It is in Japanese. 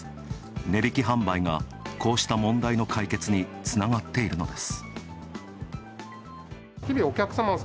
値引き販売が、こうした問題の解決につながっているのです。